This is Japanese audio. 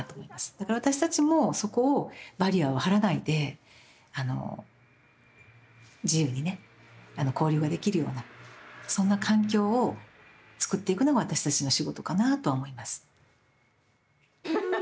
だから私たちもそこをバリアを張らないであの自由にね交流ができるようなそんな環境をつくっていくのが私たちの仕事かなとは思います。